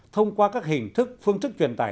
thông qua các hình thức phương thức truyền tải